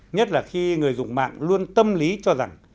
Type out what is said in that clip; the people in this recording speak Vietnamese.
nhất là khi người dùng mạng luôn tâm lý cho rằng